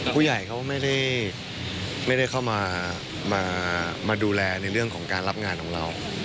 ผู้ใหญ่เขาไม่ได้เข้ามาดูแลในเรื่องของการรับงานของเรา